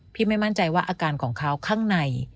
ไม่มั่นใจว่าอาการของเขาข้างใน